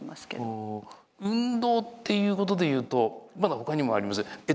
運動っていうことでいうとまだ他にもあります。